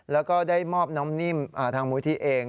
แล้วก็ได้มอบน้ำนิ่มทางมูลที่เอง